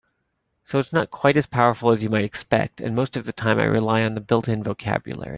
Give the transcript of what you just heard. So it's not quite as powerful as you might expect, and most of the time I rely on the built-in vocabulary.